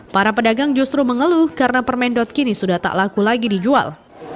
para pedagang justru mengeluh karena permen dot kini sudah tak laku lagi dijual